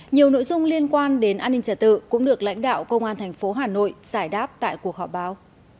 nhiều nội dung liên quan đến an ninh trả tự cũng được lãnh đạo công an thành phố hà nội giải đáp tại cuộc họp báo